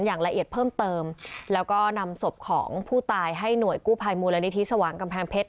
อย่างละเอียดเพิ่มเติมแล้วก็นำศพของผู้ตายให้หน่วยกู้ภัยมูลนิธิสว่างกำแพงเพชร